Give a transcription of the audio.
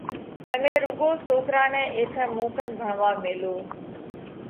تمي رُوڳو سوڪرا نئہ ايٿئہ مُون ڪنَ ڀڻوا ميلو۔